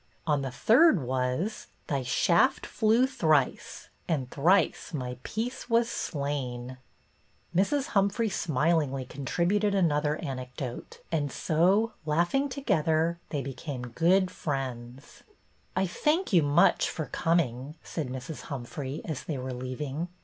'' On the third was " Thy shaft flew thrice, And thrice my peace was slain," return of the mariner 227 Mrs. Humphrey smilingly contributed an other anecdote, and so, laughing together, they became good fri(mds. " I thank you much for coming," said Mrs. Humphrey, as they were leaving.